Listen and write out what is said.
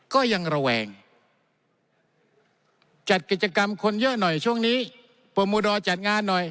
ก็ยังระแวง